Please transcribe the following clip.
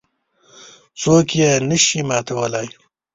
څوک یې نه شي ماتولای.